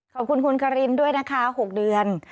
ขอบคุณคุณคารินด้วยนะคะ๖เดือน